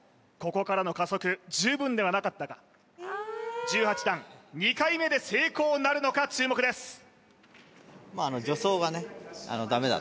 ここからの加速十分ではなかったか１８段２回目で成功なるのか注目です